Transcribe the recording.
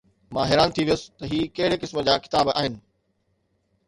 مان حيران ٿي ويس ته هي ڪهڙي قسم جا ڪتاب آهن.